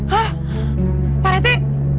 hah pak rete